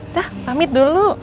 dah pamit dulu